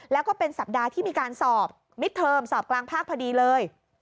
แล้วก็เป็นสัปดาห์ที่มีการสอบมิดเทอมสอบกลางภาคพอดีเลย